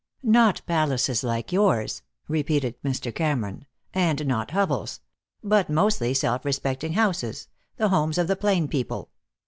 "Not palaces like yours," repeated Mr. Cameron, "and not hovels. But mostly self respecting houses, the homes of the plain people.